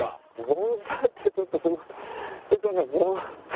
盆栽ってちょっとボン。